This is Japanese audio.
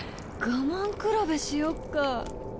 我慢比べしよっか。